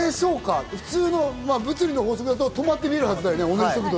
物理の法則だと止まって見えるはずだよね？